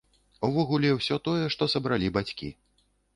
Увогуле, усё тое, што сабралі бацькі.